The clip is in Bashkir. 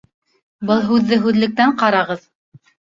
Был һүҙҙе һүҙлектән ҡарағыҙ